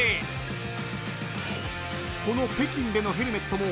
［この北京でのヘルメットも］